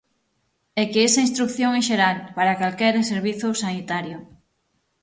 É que esa instrución é xeral para calquera servizo sanitario.